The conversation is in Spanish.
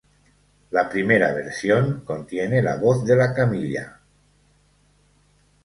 La primera versión contiene la voz de La Camilla.